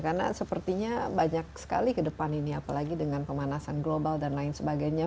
karena sepertinya banyak sekali ke depan ini apalagi dengan pemanasan global dan lain sebagainya